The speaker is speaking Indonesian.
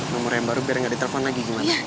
nomor yang baru biar nggak ditelepon lagi gimana